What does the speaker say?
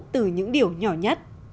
từ những điều nhỏ nhất